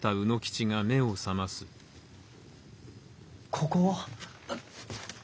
ここは？